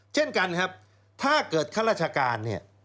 เช่นกันครับถ้าเกิดข้าราชการเนี่ย